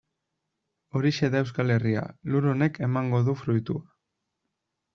Horixe da Euskal Herria, lur honek emango du fruitua.